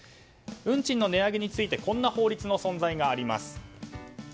運賃の値上げについてこんな法律の存在があります。